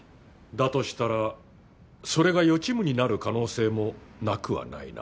だとしたらそれが予知夢になる可能性も無くはないな。